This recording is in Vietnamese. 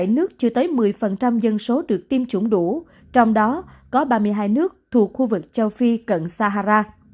ba mươi bảy nước chưa tới một mươi dân số được tiêm chủng đủ trong đó có ba mươi hai nước thuộc khu vực châu phi cận sahara